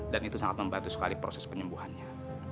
dan itu sangat membantu sekali proses penyembuhannya